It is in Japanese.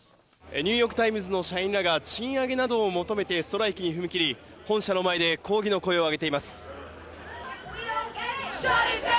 ニューヨーク・タイムズの社員らが賃上げなどを求めてストライキに踏み切り、本社の前で抗議の声を上げています。